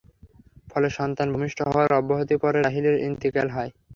ফলে সন্তান ভূমিষ্ঠ হওয়ার অব্যবহিত পরে রাহীলের ইনতিকাল হয়।